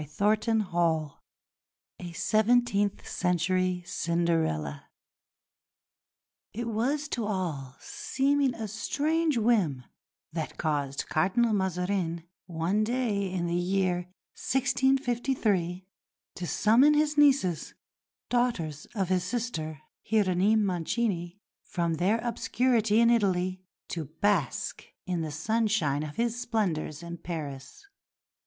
CHAPTER XV A SEVENTEENTH CENTURY CINDERELLA It was to all seeming a strange whim that caused Cardinal Mazarin, one day in the year 1653, to summon his nieces, daughters of his sister, Hieronyme Mancini, from their obscurity in Italy to bask in the sunshine of his splendours in Paris.